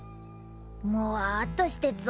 もわっとしてっぞ。